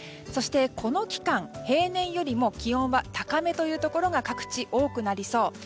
そしてこの期間、平年よりも気温が高めというところが各地、多くなりそう。